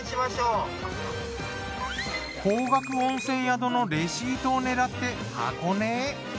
高額温泉宿のレシートを狙って箱根へ。